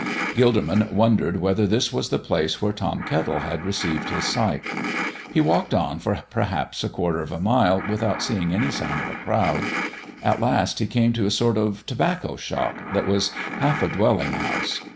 Gilderman wondered whether this was the place where Tom Kettle had received his sight. He walked on for perhaps a quarter of a mile without seeing any sign of a crowd. At last he came to a sort of tobacco shop that was half a dwelling house.